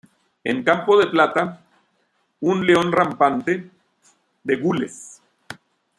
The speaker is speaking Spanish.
En campo de plata, un león rampante, de gules.